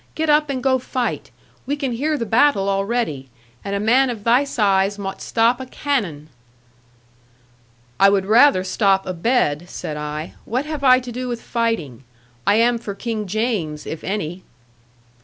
Get up, and go fight; we can hear the battle already; and a man of thy size mought stop a cannon.' 'I would rather stop a bed,' said I; 'what have I to do with fighting? I am for King James, if any.'